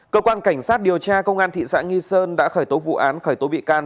cơ quan cảnh sát điều tra công an thị xã nghi sơn đã khởi tố vụ án khởi tố bị can